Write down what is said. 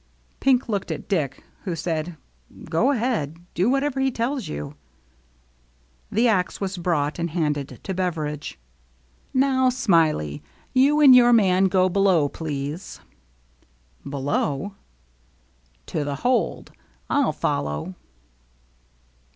Pink looked at Dick, who said, " Go ahead. Do whatever he tells you." The axe was brought and handed to Beveridge. " Now, Smiley, you and your man go below, please." "Below?" "To the hold. rU follow."